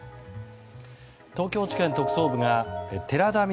東京地検特捜部が寺田稔